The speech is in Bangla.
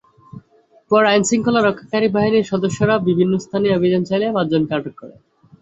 পরে আইনশৃঙ্খলা রক্ষাকারী বাহিনীর সদস্যরা বিভিন্ন স্থানে অভিযান চালিয়ে পাঁচজনকে আটক করেন।